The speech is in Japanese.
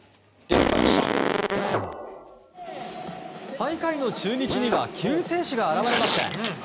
最下位の中日には救世主が現れました。